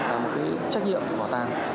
là một trách nhiệm vỏ tàng